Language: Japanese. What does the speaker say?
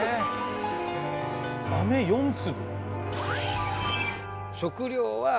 豆４粒？